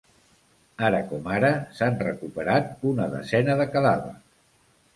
Ara com ara, s’han recuperat una desena de cadàvers.